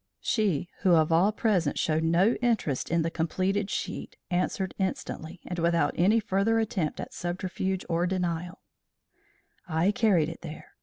She who of all present showed no interest in the completed sheet answered instantly, and without any further attempt at subterfuge or denial: "I carried it there.